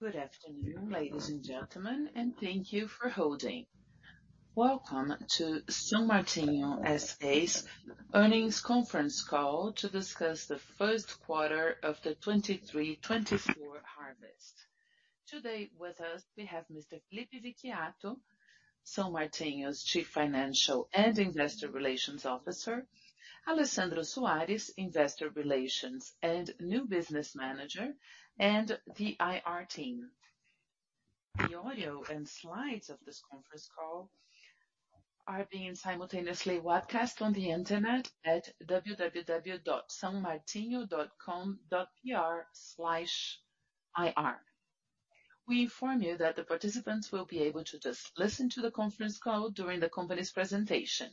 Good afternoon, ladies and gentlemen, and thank you for holding. Welcome to São Martinho S.A.'s earnings conference call to discuss the first quarter of the 2023-2024 harvest. Today with us, we have Mr. Felipe Vicchiato, São Martinho's Chief Financial and Investor Relations Officer, Alessandro Soares, Investor Relations and New Business Manager, and the IR team. The audio and slides of this conference call are being simultaneously webcast on the Internet at www.saomartinho.com.br/ir. We inform you that the participants will be able to just listen to the conference call during the company's presentation.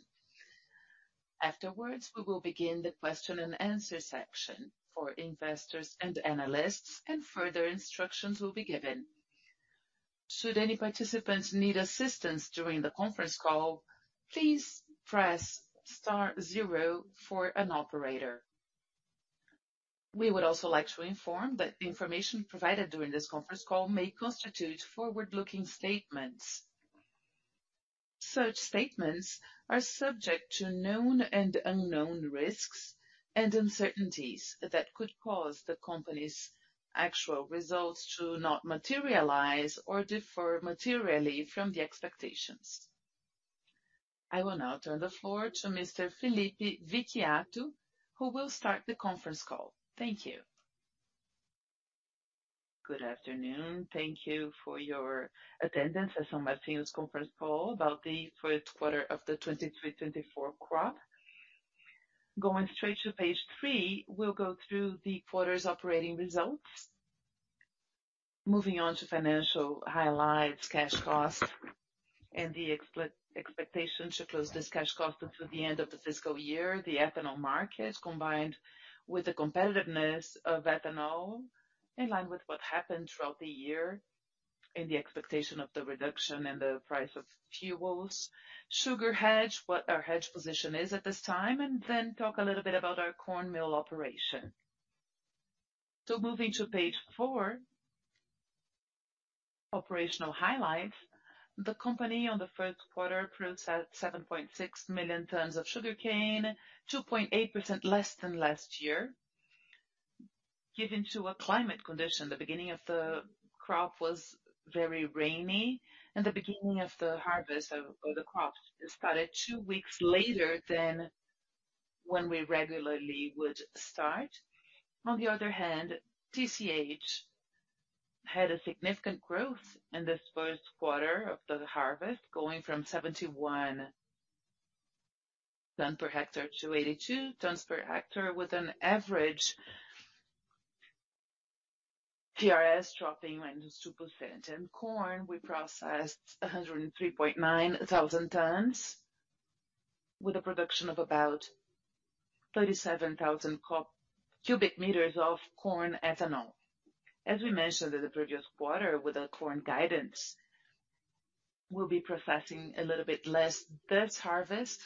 Afterwards, we will begin the question and answer section for investors and analysts, and further instructions will be given. Should any participants need assistance during the conference call, please press star 0 for an operator. We would also like to inform that the information provided during this conference call may constitute forward-looking statements. Such statements are subject to known and unknown risks and uncertainties that could cause the company's actual results to not materialize or differ materially from the expectations. I will now turn the floor to Mr. Felipe Vicchiato, who will start the conference call. Thank you. Good afternoon. Thank you for your attendance at São Martinho's conference call about the first quarter of the 2023, 2024 crop. Going straight to page 3, we'll go through the quarter's operating results. Moving on to financial highlights, cash costs, and the expectation to close this cash cost until the end of the fiscal year. The ethanol market, combined with the competitiveness of ethanol, in line with what happened throughout the year, and the expectation of the reduction in the price of fuels. Sugar hedge, what our hedge position is at this time, then talk a little bit about our corn mill operation. Moving to page 4, operational highlights. The company on the first quarter processed 7.6 million tons of sugarcane, 2.8% less than last year. Given to a climate condition, the beginning of the crop was very rainy, and the beginning of the harvest of the crop started 2 weeks later than when we regularly would start. On the other hand, TCH had a significant growth in this first quarter of the harvest, going from 71 tons per hectare to 82 tons per hectare, with an average PRS dropping -2%. In corn, we processed 103.9 thousand tons, with a production of about 37,000 cubic meters of corn ethanol. As we mentioned in the previous quarter, with our corn guidance, we'll be processing a little bit less this harvest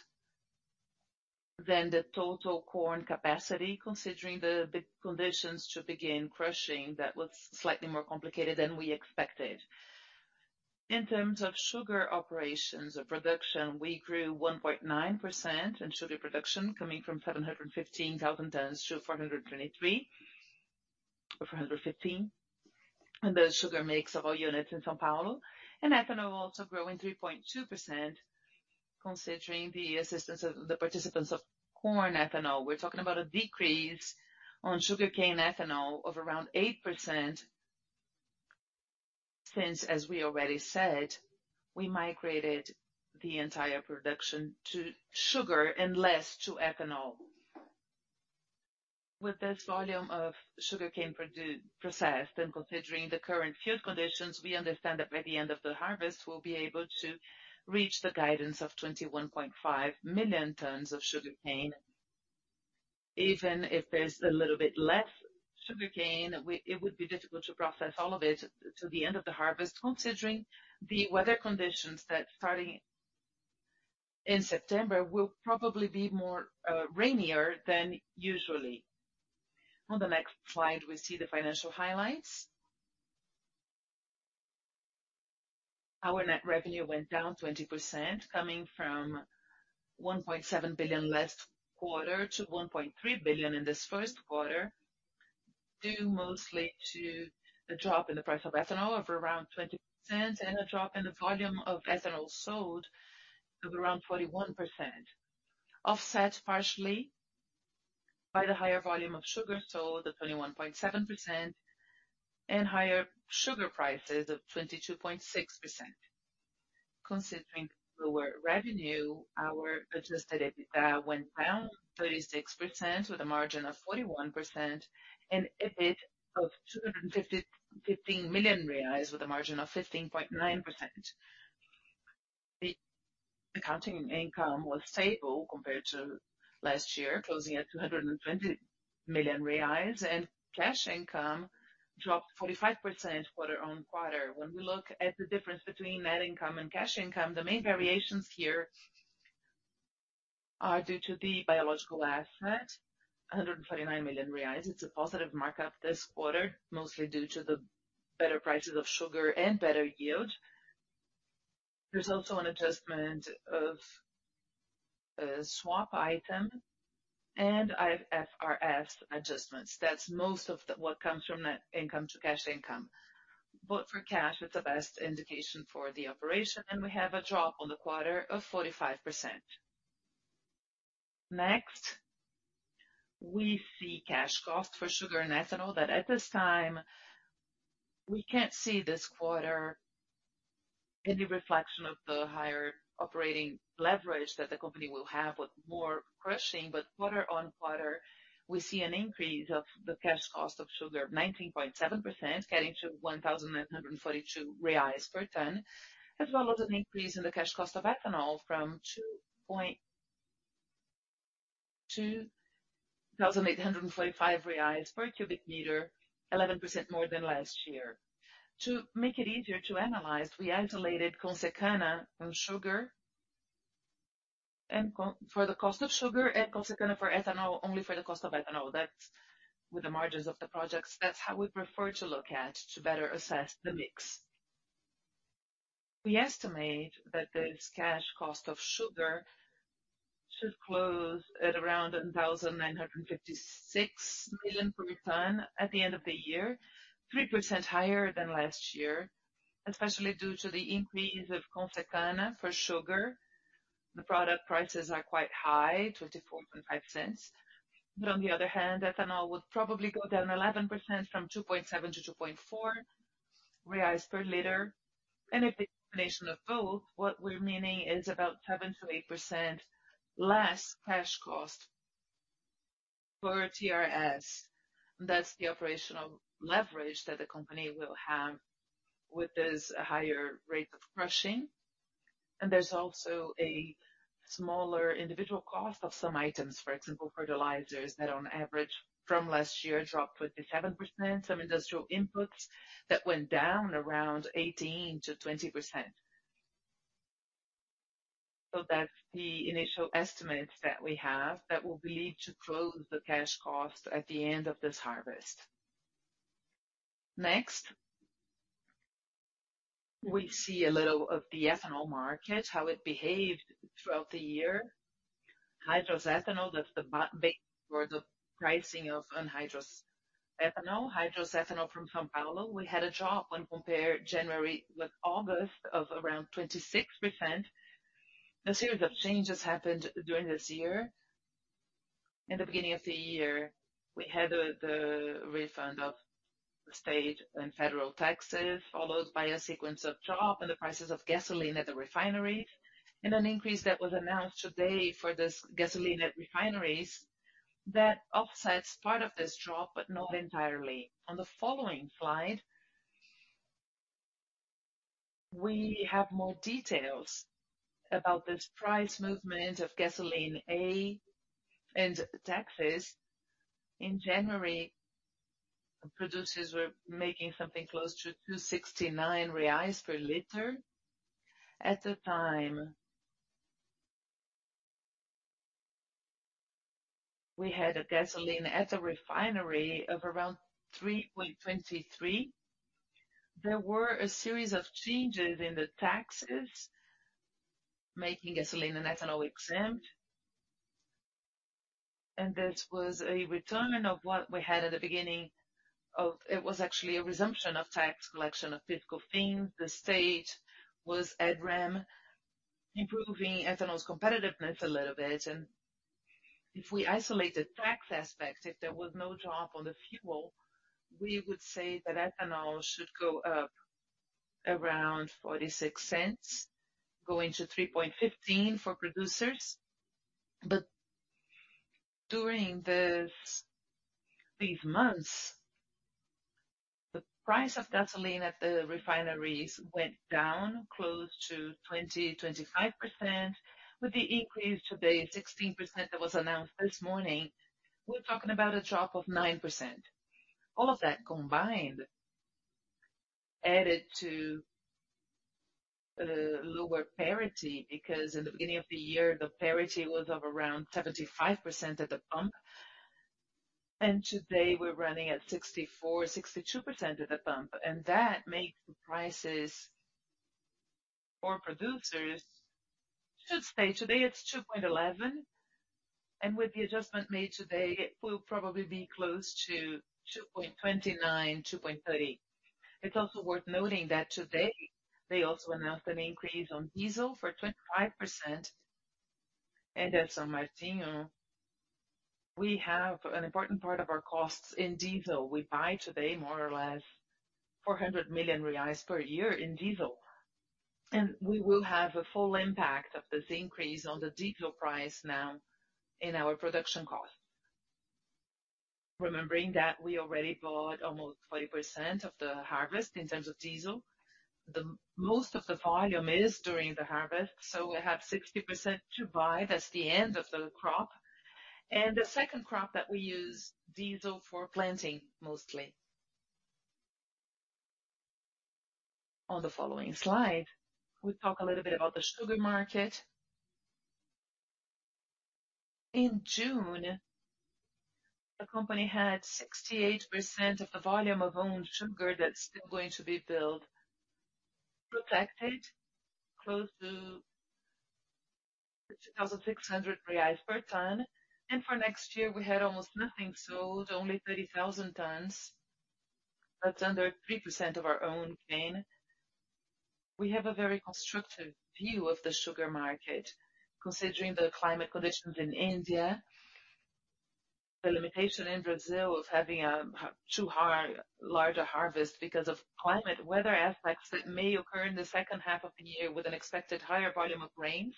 than the total corn capacity, considering the conditions to begin crushing, that was slightly more complicated than we expected. In terms of sugar operations or production, we grew 1.9% in sugar production, coming from 715,000 tons to 423 or 415, and the sugar mix of our units in São Paulo. Ethanol also growing 3.2%, considering the assistance of the participants of corn ethanol. We're talking about a decrease on sugarcane ethanol of around 8%, since, as we already said, we migrated the entire production to sugar and less to ethanol. With this volume of sugarcane processed and considering the current field conditions, we understand that by the end of the harvest, we'll be able to reach the guidance of 21.5 million tons of sugarcane. Even if there's a little bit less sugarcane, it would be difficult to process all of it to the end of the harvest, considering the weather conditions that starting in September, will probably be more rainier than usually. On the next slide, we see the financial highlights. Our net revenue went down 20%, coming from 1.7 billion last quarter to 1.3 billion in this first quarter, due mostly to the drop in the price of ethanol of around 20% and a drop in the volume of ethanol sold of around 41%. Offset partially by the higher volume of sugar sold, at 21.7%, and higher sugar prices of 22.6%. Considering lower revenue, our adjusted EBITDA went down 36% with a margin of 41% and EBIT of 215, 15 million with a margin of 15.9%. The accounting income was stable compared to last year, closing at 220 million reais, and cash income dropped 45% quarter-on-quarter. When we look at the difference between net income and cash income, the main variations are due to the biological asset, 149 million reais. It's a positive markup this quarter, mostly due to the better prices of sugar and better yield. There's also an adjustment of swap item and IFRS adjustments. That's most of what comes from net income to cash income. For cash, it's the best indication for the operation, and we have a drop on the quarter of 45%. Next, we see cash cost for sugar and ethanol, that at this time, we can't see this quarter any reflection of the higher operating leverage that the company will have with more crushing. Quarter-on-quarter, we see an increase of the cash cost of sugar 19.7%, getting to 1,942 reais per ton, as well as an increase in the cash cost of ethanol from 2,845 reais per cubic meter, 11% more than last year. To make it easier to analyze, we isolated Consecana on sugar, and for the cost of sugar and Consecana for ethanol, only for the cost of ethanol. That's with the margins of the projects, that's how we prefer to look at, to better assess the mix. We estimate that this cash cost of sugar should close at around 1,956 million per ton at the end of the year, 3% higher than last year, especially due to the increase of Consecana for sugar. The product prices are quite high, 0.245. On the other hand, ethanol would probably go down 11% from 2.7-2.4 reais per liter. If the combination of both, what we're meaning is about 7%-8% less cash cost for TRS. That's the operational leverage that the company will have with this higher rate of crushing. There's also a smaller individual cost of some items, for example, fertilizers, that on average from last year, dropped 27%, some industrial inputs that went down around 18%-20%. That's the initial estimates that we have that will lead to close the cash cost at the end of this harvest. Next, we see a little of the ethanol market, how it behaved throughout the year. Hydrous ethanol, that's the or the pricing of anhydrous ethanol. Hydrous ethanol from São Paulo, we had a drop when compared January with August, of around 26%. A series of changes happened during this year. In the beginning of the year, we had the refund of state and federal taxes, followed by a sequence of drop in the prices of Gasolina A at the refinery, and an increase that was announced today for this Gasolina A at refineries, that offsets part of this drop, but not entirely. On the following slide, we have more details about this price movement of Gasolina A and taxes. In January, producers were making something close to R$2.69 per liter. At the time, we had a Gasolina A at a refinery of around R$3.23. There were a series of changes in the taxes, making Gasolina A and ethanol exempt. This was a return of what we had. It was actually a resumption of tax collection of PIS/COFINS. The state was ad rem, improving ethanol's competitiveness a little bit. If we isolated tax aspects, if there was no drop on the fuel, we would say that ethanol should go up around 0.46, going to 3.15 for producers. During these months, the price of gasoline at the refineries went down close to 20%-25%. With the increase today, 16%, that was announced this morning, we're talking about a drop of 9%. All of that combined, added to lower parity, because in the beginning of the year, the parity was of around 75% at the pump, and today we're running at 64%-62% at the pump. That makes the prices for producers should stay today, it's 2.11, and with the adjustment made today, it will probably be close to 2.29-2.30. It's also worth noting that today they also announced an increase on diesel for 25%. At São Martinho, we have an important part of our costs in diesel. We buy today, more or less, 400 million reais per year in diesel, and we will have a full impact of this increase on the diesel price now in our production cost. Remembering that we already bought almost 40% of the harvest in terms of diesel, most of the volume is during the harvest, so we have 60% to buy. That's the end of the crop. The second crop that we use diesel for planting, mostly. On the following slide, we talk a little bit about the sugar market. In June, the company had 68% of the volume of owned sugar that's still going to be built, protected close to 2,600 reais per ton, and for next year, we had almost nothing sold, only 30,000 tons. That's under 3% of our own cane. We have a very constructive view of the sugar market, considering the climate conditions in India, the limitation in Brazil of having too high, larger harvest because of climate, weather effects that may occur in the second half of the year with an expected higher volume of rain.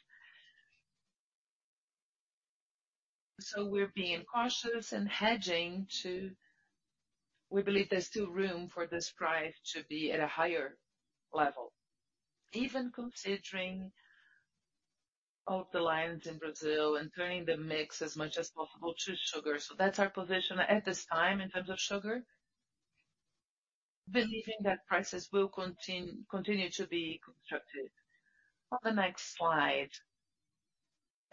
We're being cautious and hedging. We believe there's still room for this price to be at a higher level, even considering out the lines in Brazil and turning the mix as much as possible to sugar. That's our position at this time in terms of sugar, believing that prices will continue to be constructive. On the next slide,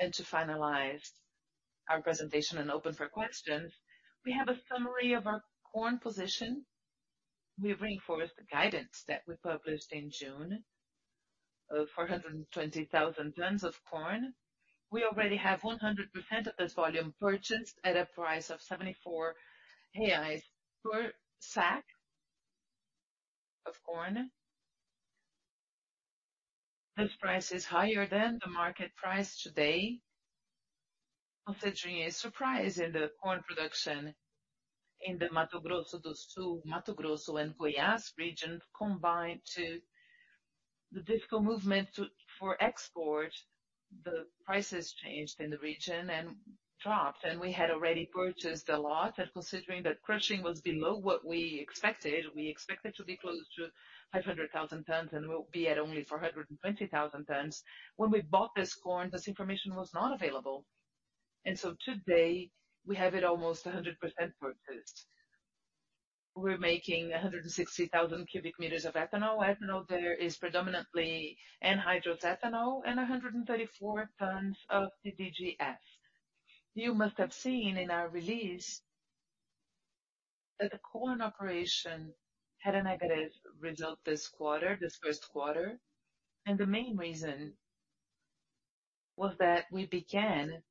and to finalize our presentation and open for questions, we have a summary of our corn position. We reinforce the guidance that we published in June of 420,000 tons of corn. We already have 100% of this volume purchased at a price of 74 reais per sack of corn. This price is higher than the market price today, considering a surprise in the corn production in the Mato Grosso do Sul, Mato Grosso and Goiás region, combined to the difficult movement to, for export, the prices changed in the region and dropped, and we had already purchased a lot. Considering that crushing was below what we expected, we expected to be close to 500,000 tons and will be at only 420,000 tons. When we bought this corn, this information was not available, and so today we have it almost 100% purchased. We're making 160,000 cubic meters of ethanol. Ethanol, there is predominantly anhydrous ethanol and 134 tons of DDGS. You must have seen in our release that the corn operation had a negative result this quarter, this first quarter, and the main reason was that we began a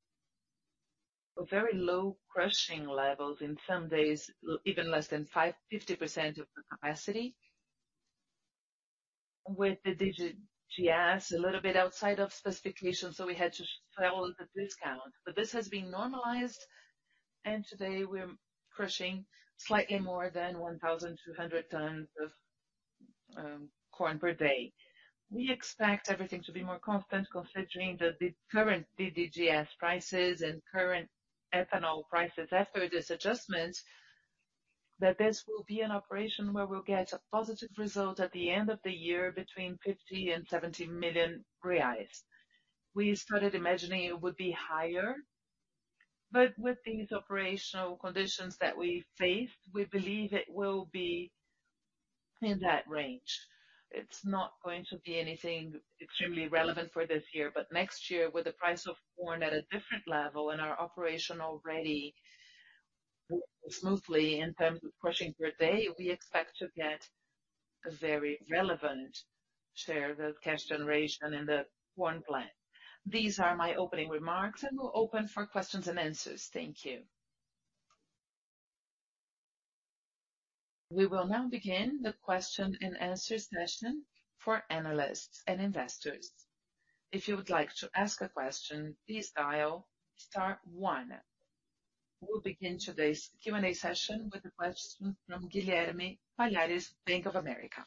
very low crushing levels in some days, even less than 50% of the capacity, with the DDGS, a little bit outside of specification, so we had to follow the discount. This has been normalized, and today we're crushing slightly more than 1,200 tons of corn per day. We expect everything to be more constant, considering the current DDGS prices and current ethanol prices after this adjustment, that this will be an operation where we'll get a positive result at the end of the year, between 50 million and 70 million reais. We started imagining it would be higher, but with these operational conditions that we faced, we believe it will be in that range. It's not going to be anything extremely relevant for this year, but next year, with the price of corn at a different level and our operation already smoothly in terms of crushing per day, we expect to get a very relevant share of the cash generation in the corn plant. These are my opening remarks. We'll open for questions and answers. Thank you. We will now begin the question and answer session for analysts and investors. If you would like to ask a question, please dial star one. We'll begin today's Q&A session with a question from Guilherme Palhares, Bank of America.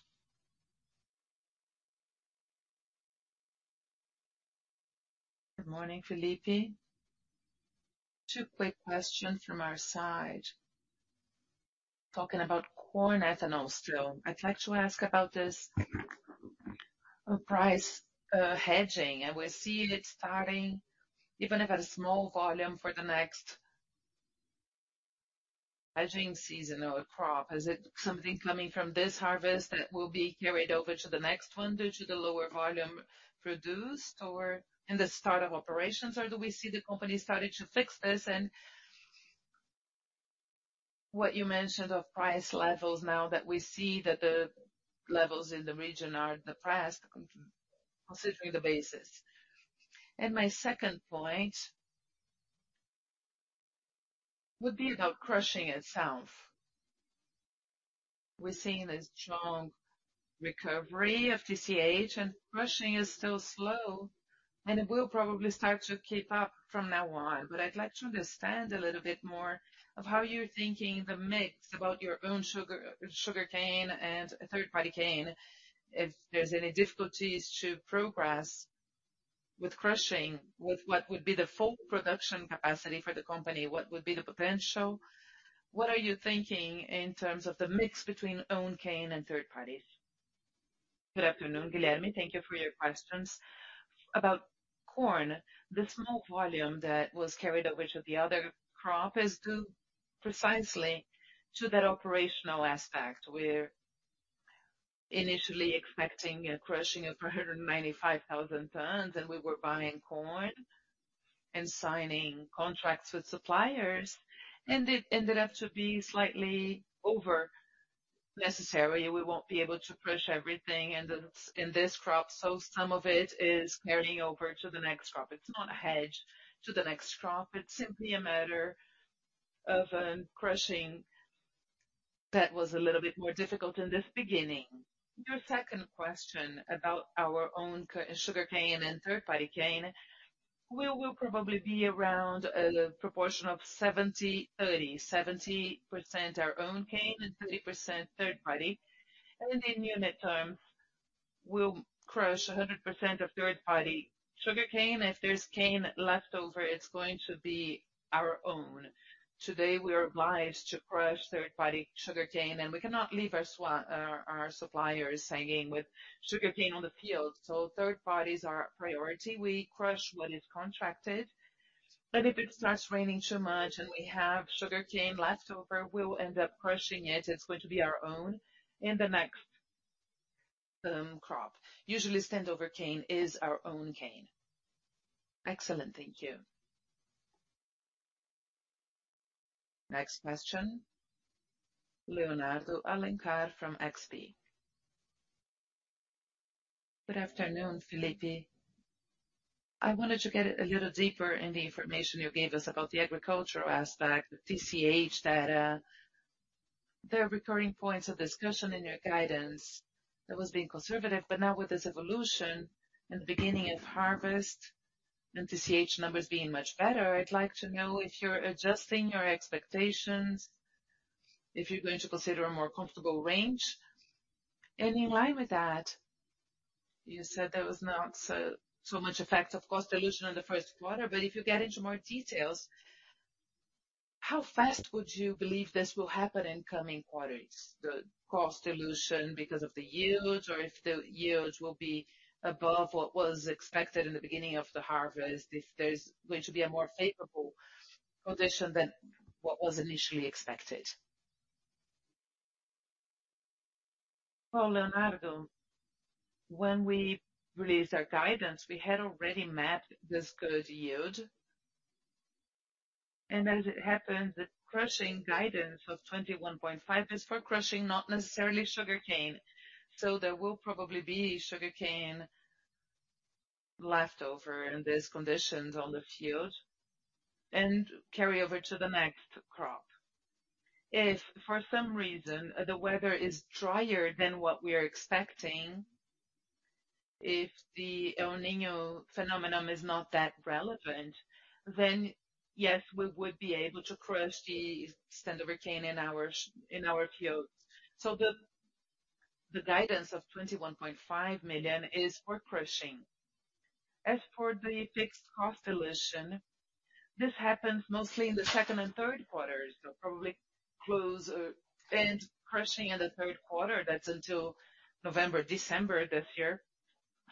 Good morning, Felipe. Two quick questions from our side. Talking about corn ethanol still, I'd like to ask about this price hedging, and we're seeing it starting even if at a small volume for the next hedging season or crop. Is it something coming from this harvest that will be carried over to the next one due to the lower volume produced or in the start of operations, or do we see the company starting to fix this? What you mentioned of price levels, now that we see that the levels in the region are depressed, considering the basis. My second point would be about crushing itself. We're seeing a strong recovery of TCH, and crushing is still slow, and it will probably start to keep up from now on. I'd like to understand a little bit more of how you're thinking the mix about your own sugarcane and third-party cane. If there's any difficulties to progress with crushing, with what would be the full production capacity for the company, what would be the potential? What are you thinking in terms of the mix between own cane and third parties? Good afternoon, Guilherme. Thank you for your questions. About corn, the small volume that was carried over to the other crop is due precisely to that operational aspect. We're initially expecting a crushing of 195,000 tons. We were buying corn and signing contracts with suppliers, and it ended up to be slightly over necessary. We won't be able to crush everything in this, in this crop, some of it is carrying over to the next crop. It's not a hedge to the next crop, it's simply a matter of crushing that was a little bit more difficult in this beginning. Your second question about our own sugarcane and third-party cane, we will probably be around a proportion of 70/30. 70% our own cane and 30% third-party. In unit terms, we'll crush 100% of third-party sugarcane. If there's cane left over, it's going to be our own. Today, we're obliged to crush third-party sugarcane, we cannot leave our suppliers hanging with sugarcane on the field. Third party is our priority. We crush what is contracted, if it starts raining too much and we have sugarcane left over, we'll end up crushing it. It's going to be our own in the next crop. Usually, standover cane is our own cane. Excellent. Thank you. Next question, Leonardo Alencar from XP. Good afternoon, Felipe. I wanted to get a little deeper in the information you gave us about the agricultural aspect, the TCH data. There are recurring points of discussion in your guidance that was being conservative, now with this evolution in the beginning of harvest and TCH numbers being much better, I'd like to know if you're adjusting your expectations, if you're going to consider a more comfortable range. In line with that, you said there was not so, so much effect of cost dilution in the first quarter, but if you get into more details, how fast would you believe this will happen in coming quarters? The cost dilution, because of the yield, or if the yield will be above what was expected in the beginning of the harvest, if there's going to be a more favorable condition than what was initially expected. Well, Leonardo, when we released our guidance, we had already mapped this good yield. As it happens, the crushing guidance of 21.5 is for crushing, not necessarily sugarcane. So there will probably be sugarcane left over in these conditions on the field and carry over to the next crop. If, for some reason, the weather is drier than what we are expecting, if the El Niño phenomenon is not that relevant, then yes, we would be able to crush the standover cane in our fields. The guidance of 21.5 million is for crushing. As for the fixed cost dilution, this happens mostly in the second and third quarters, so probably close and crushing in the third quarter. That's until November, December this year.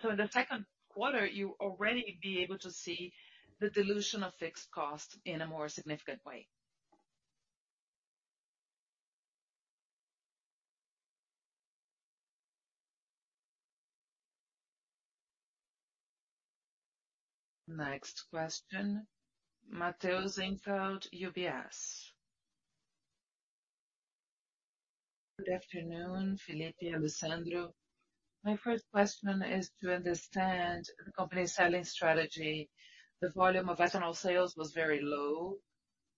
In the second quarter, you already be able to see the dilution of fixed cost in a more significant way. Next question, Matheus Enfeldt, UBS. Good afternoon, Felipe, Alessandro. My first question is to understand the company's selling strategy. The volume of ethanol sales was very low.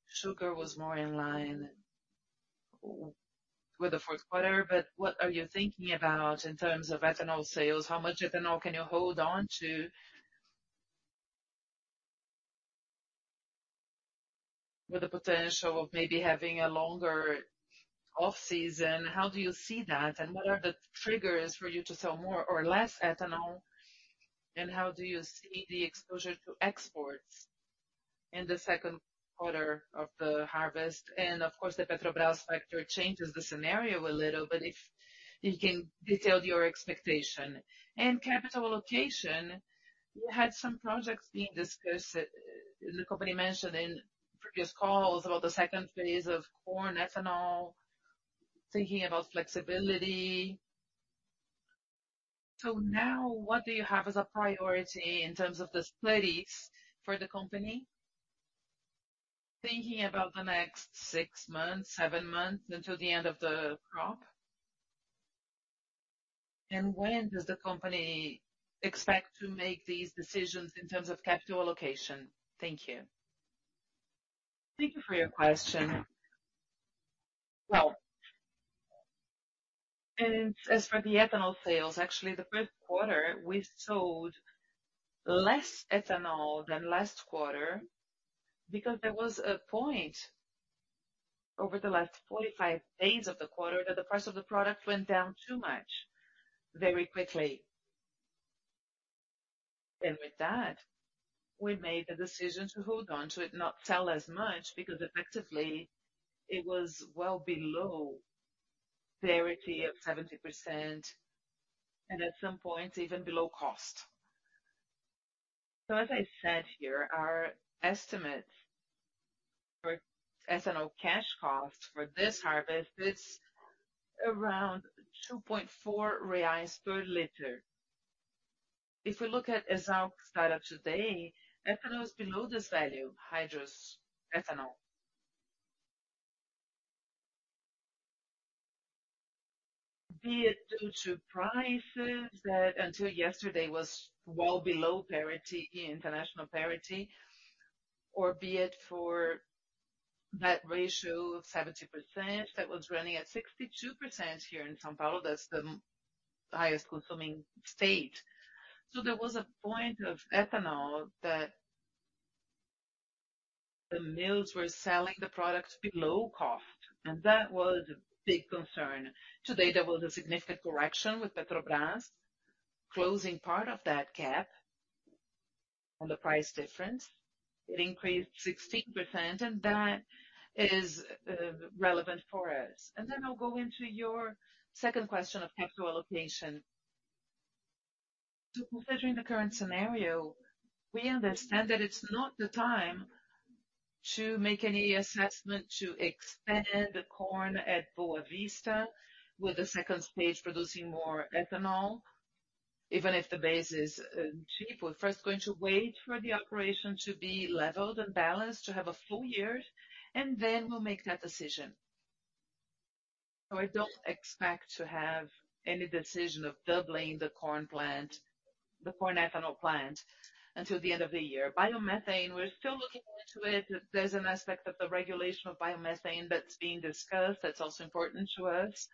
Sugar was more in line with the fourth quarter, but what are you thinking about in terms of ethanol sales? How much ethanol can you hold on to with the potential of maybe having a longer off season? How do you see that? What are the triggers for you to sell more or less ethanol? How do you see the exposure to exports in the second quarter of the harvest? Of course, the Petrobras factor changes the scenario a little, but if you can detail your expectation. Capital allocation, you had some projects being discussed, the company mentioned in previous calls about the second phase of corn ethanol, thinking about flexibility. Now, what do you have as a priority in terms of the splits for the company, thinking about the next six months, seven months, until the end of the crop? When does the company expect to make these decisions in terms of capital allocation? Thank you. Thank you for your question. Well, as for the ethanol sales, actually the first quarter, we sold less ethanol than last quarter because there was a point over the last 45 days of the quarter, that the price of the product went down too much, very quickly. With that, we made the decision to hold on to it, not sell as much, because effectively it was well below parity of 70%, and at some point, even below cost. As I said here, our estimate for ethanol cash costs for this harvest is around 2.4 reais per liter. If we look at ESALQ start up today, ethanol is below this value, hydros, ethanol. Be it due to prices that until yesterday was well below parity, international parity, or be it for that ratio of 70%, that was running at 62% here in São Paulo, that's the highest consuming state. There was a point of ethanol that the mills were selling the products below cost, and that was a big concern. Today, there was a significant correction with Petrobras closing part of that gap on the price difference. It increased 16%, and that is relevant for us. Then I'll go into your second question of capital allocation. Considering the current scenario, we understand that it's not the time to make any assessment to expand the corn at Boa Vista, with the second stage producing more ethanol, even if the base is cheap. We're first going to wait for the operation to be leveled and balanced, to have a full year, then we'll make that decision. I don't expect to have any decision of doubling the corn plant, the corn ethanol plant, until the end of the year. Biomethane, we're still looking into it. There's an aspect of the regulation of biomethane that's being discussed, that's also important to us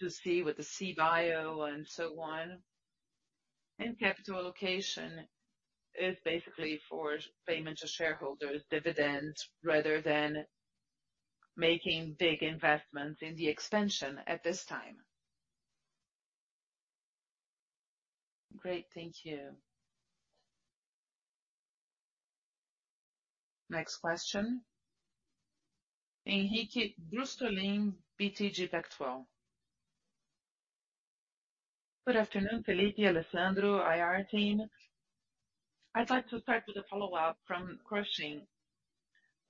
to see with the CBIO and so on. Capital allocation is basically for payment to shareholders dividends, rather than making big investments in the expansion at this time. Great, thank you. Next question, Henrique Brustolin, BTG Pactual. Good afternoon, Felipe, Alessandro, IR team. I'd like to start with a follow-up from crushing.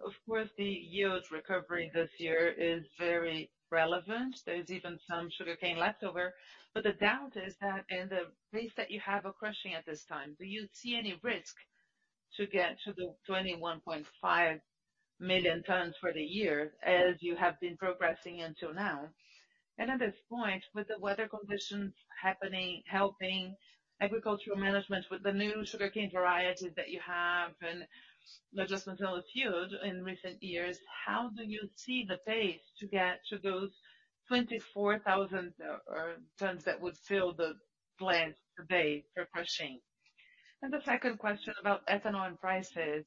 Of course, the yield recovery this year is very relevant. There's even some sugarcane leftover, but the doubt is that in the pace that you have a crushing at this time, do you see any risk to get to the 21.5 million tons for the year, as you have been progressing until now? At this point, with the weather conditions helping agricultural management, with the new sugarcane varieties that you have, and let's just until a few in recent years, how do you see the pace to get to those 24,000 tons that would fill the plant per day for crushing? The second question about ethanol and prices.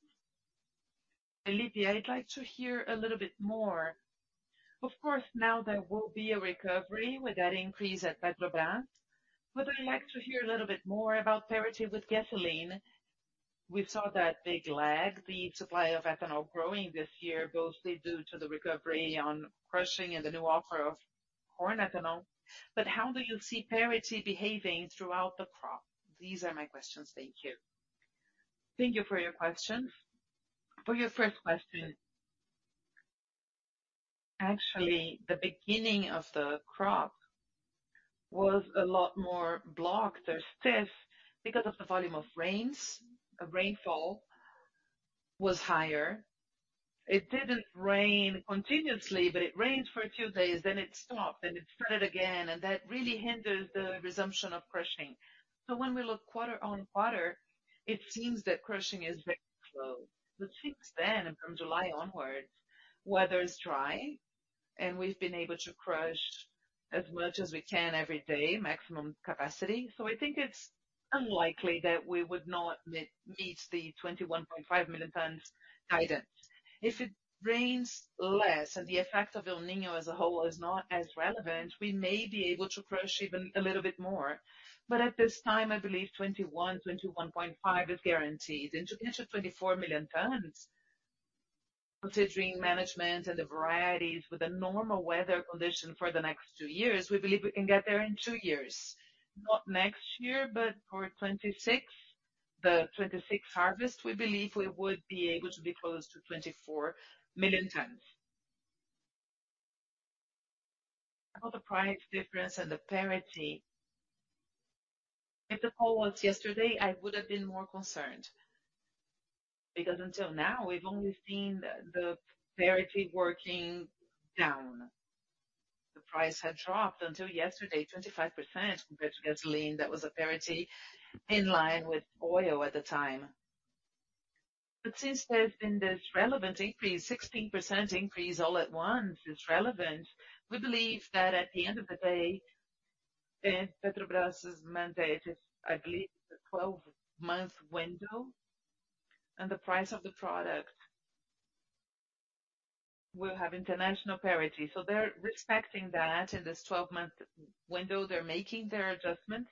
Felipe, I'd like to hear a little bit more. Of course, now there will be a recovery with that increase at Petrobras, but I'd like to hear a little bit more about parity with gasoline. We saw that big lag, the supply of ethanol growing this year, mostly due to the recovery on crushing and the new offer of corn ethanol. How do you see parity behaving throughout the crop? These are my questions. Thank you. Thank you for your question. For your first question, actually, the beginning of the crop was a lot more blocked or stiff because of the volume of rains. The rainfall was higher. It didn't rain continuously, but it rained for a few days, then it stopped and it started again, and that really hindered the resumption of crushing. When we look quarter-on-quarter, it seems that crushing is very slow. From July onwards, weather is dry, and we've been able to crush as much as we can every day, maximum capacity. I think it's unlikely that we would not meet the 21.5 million tons guidance. If it rains less and the effect of El Niño as a whole is not as relevant, we may be able to crush even a little bit more, but at this time, I believe 21, 21.5 is guaranteed. To get to 24 million tons, considering management and the varieties with a normal weather condition for the next two years, we believe we can get there in two years. Not next year, but for 2026, the 2026 harvest, we believe we would be able to be close to 24 million tons. The price difference and the parity, if the call was yesterday, I would have been more concerned, because until now, we've only seen the parity working down. The price had dropped until yesterday, 25%, compared to gasoline. That was a parity in line with oil at the time. Since there's been this relevant increase, 16% increase all at once is relevant, we believe that at the end of the day, and Petrobras's mandate is, I believe, it's a 12-month window, and the price of the product will have international parity. They're respecting that in this 12-month window, they're making their adjustments.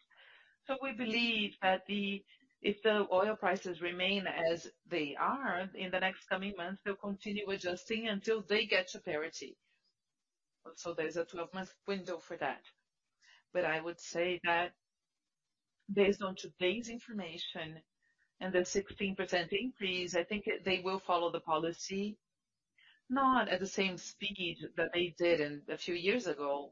We believe that the, if the oil prices remain as they are in the next coming months, they'll continue adjusting until they get to parity. There's a 12-month window for that. I would say that based on today's information and the 16% increase, I think they will follow the policy, not at the same speed that they did in a few years ago.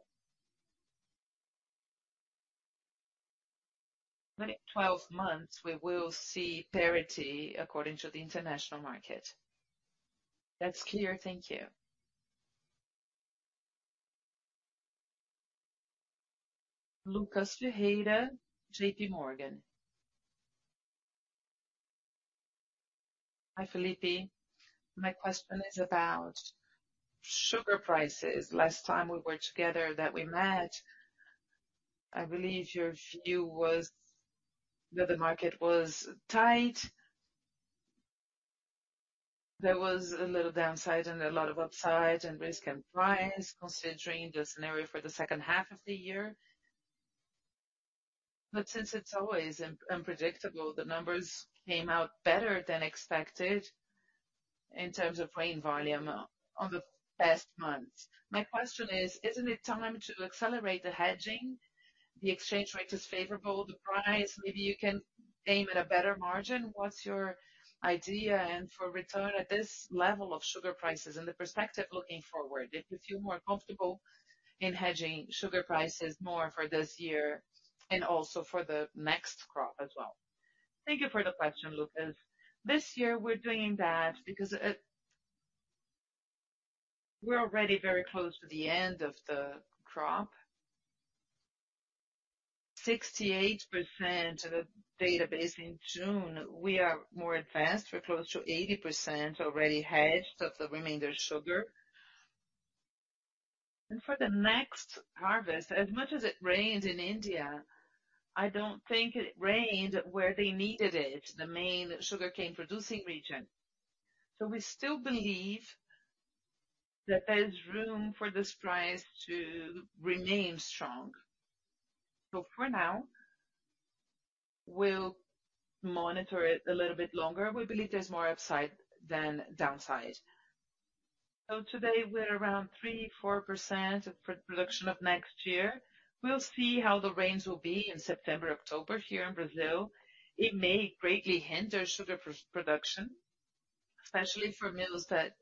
In 12 months, we will see parity according to the international market. That's clear. Thank you. Lucas Ferreira, J.P. Morgan. Hi, Felipe. My question is about sugar prices. Last time we were together that we met, I believe your view was that the market was tight. There was a little downside and a lot of upside and risk and price, considering the scenario for the second half of the year. Since it's always unpredictable, the numbers came out better than expected in terms of rain volume on the past months. My question is: Isn't it time to accelerate the hedging? The exchange rate is favorable, the price, maybe you can aim at a better margin. What's your idea and for return at this level of sugar prices and the perspective looking forward, if you feel more comfortable in hedging sugar prices more for this year and also for the next crop as well. Thank you for the question, Lucas. This year, we're doing that because we're already very close to the end of the crop. 68% of the database in June, we are more advanced. We're close to 80% already hedged of the remainder sugar. For the next harvest, as much as it rains in India, I don't think it rained where they needed it, the main sugarcane producing region. We still believe that there's room for this price to remain strong. For now, we'll monitor it a little bit longer. We believe there's more upside than downside. Today, we're around 3%-4% of pro- production of next year. We'll see how the rains will be in September, October here in Brazil. It may greatly hinder sugar production, especially for mills that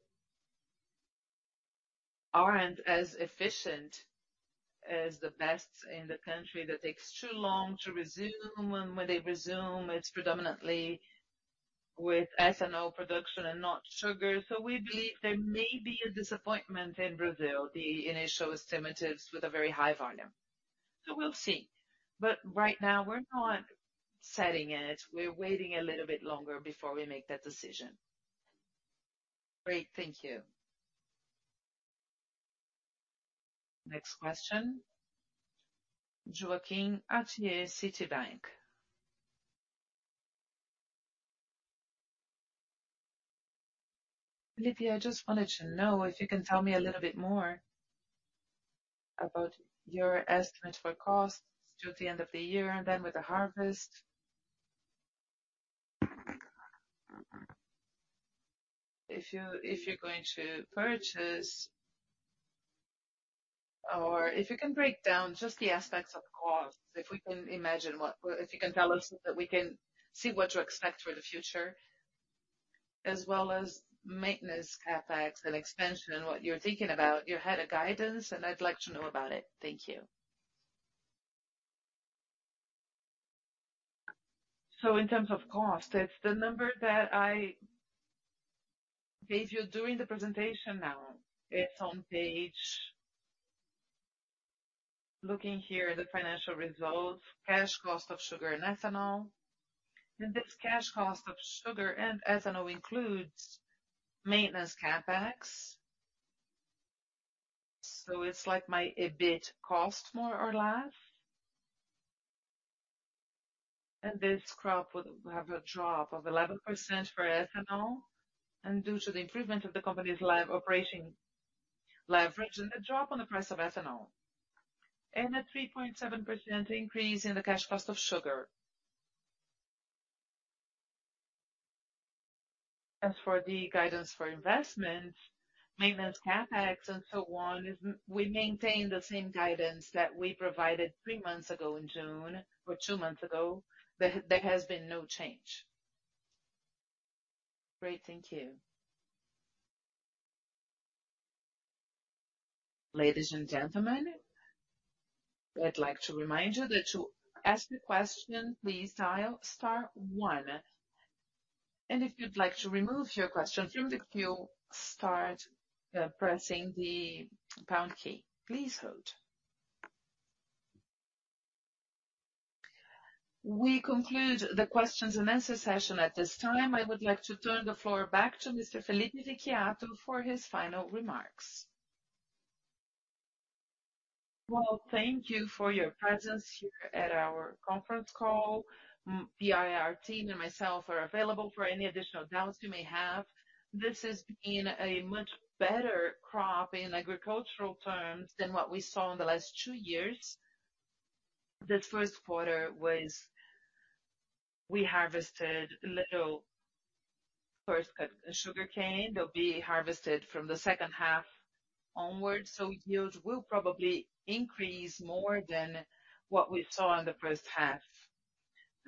aren't as efficient as the best in the country, that takes too long to resume, and when they resume, it's predominantly with ethanol production and not sugar. We believe there may be a disappointment in Brazil, the initial estimates with a very high volume. We'll see. Right now, we're not setting it. We're waiting a little bit longer before we make that decision. Great, thank you. Next question, Joaquim Atie, Citibank. Felipe, I just wanted to know if you can tell me a little bit more about your estimate for costs through the end of the year and then with the harvest. If you, if you're going to purchase, or if you can break down just the aspects of costs, if we can imagine if you can tell us so that we can see what to expect for the future, as well as maintenance, CapEx, and expansion, and what you're thinking about. You had a guidance, I'd like to know about it. Thank you. In terms of cost, it's the number that I gave you during the presentation now. It's on page... Looking here, the financial results, cash cost of sugar and ethanol. This cash cost of sugar and ethanol includes maintenance, CapEx. It's like my, EBIT cost, more or less. This crop would have a drop of 11% for ethanol, and due to the improvement of the company's live operating leverage and a drop on the price of ethanol, and a 3.7% increase in the cash cost of sugar. As for the guidance for investment, maintenance, CapEx, and so on, we maintain the same guidance that we provided 3 months ago in June or 2 months ago. There, there has been no change. Great, thank you. Ladies and gentlemen, I'd like to remind you that to ask a question, please dial star 1. If you'd like to remove your question from the queue, start pressing the pound key. Please hold. We conclude the questions and answer session at this time. I would like to turn the floor back to Mr. Felipe Vicchiato for his final remarks. Well, thank you for your presence here at our conference call. IR team and myself are available for any additional doubts you may have. This has been a much better crop in agricultural terms than what we saw in the last two years. The first quarter was. We harvested little first cut sugarcane, they'll be harvested from the second half onwards, so yields will probably increase more than what we saw in the first half.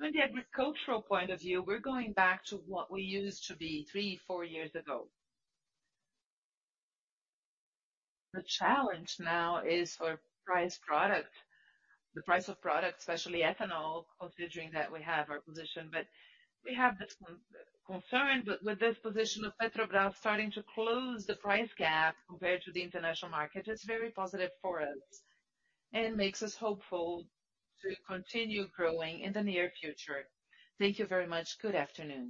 From the agricultural point of view, we're going back to what we used to be three, four years ago. The challenge now is for price product, the price of product, especially ethanol, considering that we have our position. We have this concern, but with this position of Petrobras starting to close the price gap compared to the international market, it's very positive for us and makes us hopeful to continue growing in the near future. Thank you very much. Good afternoon.